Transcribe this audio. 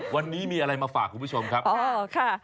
วันนี้มีอะไรมาฝากคุณผู้ชมครับ